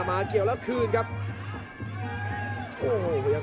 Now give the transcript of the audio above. ทำบทนิดหน้าพยึ่งแล้วเริ่มพลึง